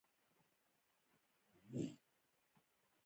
د ماشومانو لپاره باید ادبي کتابونه چاپ سي.